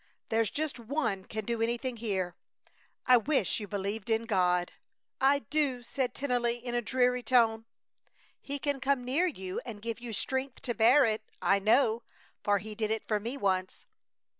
There's just One can do anything here! I wish you believed in God!" "I do!" said Tennelly, in a dreary tone. "He can come near you and give you strength to bear it. I know, for He did it for me once!"